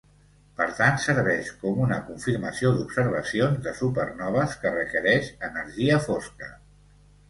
Per tant, serveix com una confirmació d'observacions de supernoves, que requereix energia fosca.